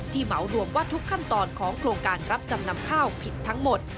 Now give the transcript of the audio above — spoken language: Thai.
เหมารวมว่าทุกขั้นตอนของโครงการรับจำนำข้าวผิดทั้งหมด